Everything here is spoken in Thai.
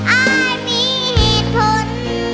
อายมีเหตุผล